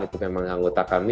itu memang anggota kami